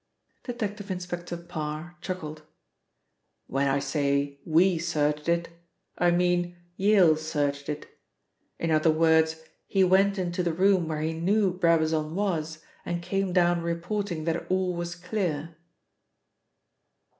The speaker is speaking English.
Detective Inspector Parr chuckled. "When I say 'we searched it,' I mean Yale searched it. In other words, he went into the room where he knew Brabazon was, and came down reporting that all was clear."